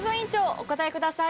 お答えください。